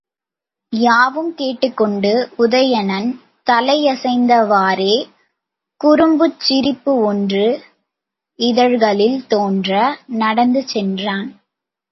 யாவும் கேட்டுக்கொண்டு உதயணன் தலையசைத்தவாறே குறும்புச் சிரிப்பு ஒன்று இதழ்களில் தோன்ற நடந்து சென்றான்.